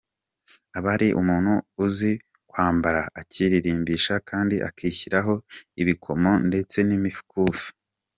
Aba ari umuntu uzi kwambara, akirimbisha kandi akishyiraho ibikomo ndetse n’imikufi.